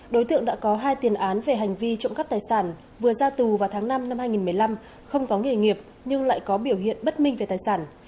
đối tượng đã có hai tiền án về hành vi trộm cắp tài sản vừa ra tù vào tháng năm năm hai nghìn một mươi năm không có nghề nghiệp nhưng lại có biểu hiện bất minh về tài sản